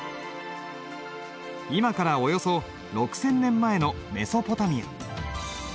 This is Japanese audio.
今からおよそ６，０００年前のメソポタミア。